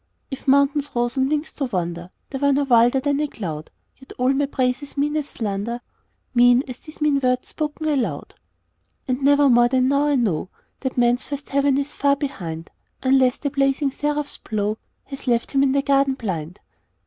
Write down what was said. If mountains rose on wings to wander They were no wilder than a cloud; Yet all my praise is mean as slander, Mean as these mean words spoken aloud. And never more than now I know That man's first heaven is far behind; Unless the blazing seraph's blow Has left him in the garden blind.